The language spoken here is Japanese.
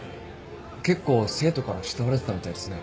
結構生徒から慕われてたみたいですね。